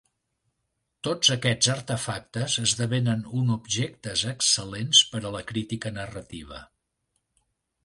Tots aquests artefactes esdevenen un objectes excel·lents per a la crítica narrativa.